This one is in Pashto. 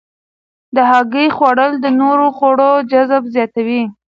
د هګۍ خوړل د نورو خوړو جذب زیاتوي.